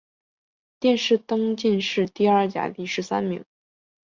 殿试登进士第二甲第十三名。